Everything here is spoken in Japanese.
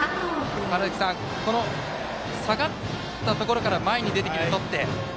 川原崎さん、下がったところから前に出てきて、とって。